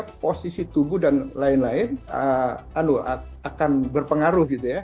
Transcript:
misalnya posisi tubuh dan lain lain akan berpengaruh